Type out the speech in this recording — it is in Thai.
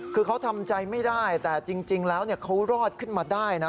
คือเขาทำใจไม่ได้แต่จริงแล้วเขารอดขึ้นมาได้นะ